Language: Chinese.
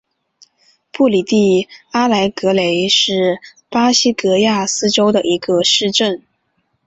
布里蒂阿莱格雷是巴西戈亚斯州的一个市镇。